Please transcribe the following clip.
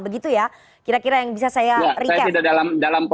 begitu ya kira kira yang bisa saya recap